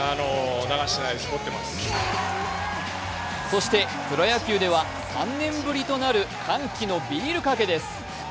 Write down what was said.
そして、プロ野球では３年ぶりとなる歓喜のビールかけです。